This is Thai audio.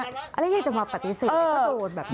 อะไรเยี่ยมจะมาปฏิเสธไงถ้าโดดแบบนี้